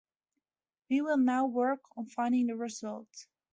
We will now work on finding the result.